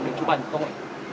để chụp ảnh không ạ